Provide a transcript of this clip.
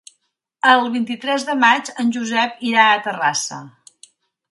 El vint-i-tres de maig en Josep irà a Terrassa.